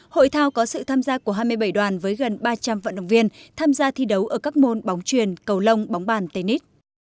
hội thao có sự tham gia của hai mươi bảy đoàn với gần ba trăm linh vận động viên tham gia thi đấu ở các môn bóng truyền cầu lông bóng bàn tây ninh